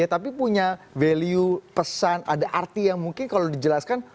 tapi punya value pesan ada arti yang mungkin kalau dijelaskan